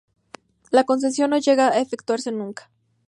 La concesión no llega a efectuarse nunca.